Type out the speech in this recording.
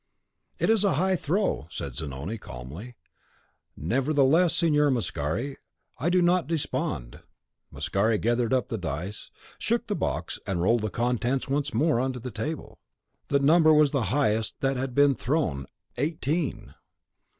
"It is a high throw," said Zanoni, calmly; "nevertheless, Signor Mascari, I do not despond." Mascari gathered up the dice, shook the box, and rolled the contents once more on the table: the number was the highest that can be thrown, eighteen.